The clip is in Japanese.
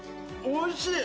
おいしい？